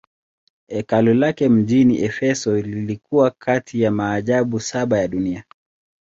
Hekalu lake mjini Efeso lilikuwa kati ya maajabu saba ya dunia.